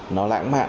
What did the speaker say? nó lãng mạn